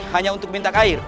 hanya untuk minta air